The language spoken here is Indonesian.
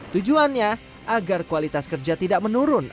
tujuannya agar kualitas kerja tidak menurun